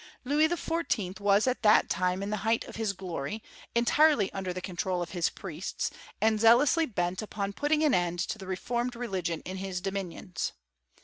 Louis XIV, was at that time ifl the height of his glory, entirely under the control of liis priests, and zealously bent upon putting an end ttf the reformed religion in his dominions.